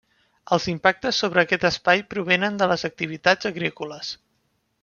Els impactes sobre aquest espai provenen de les activitats agrícoles.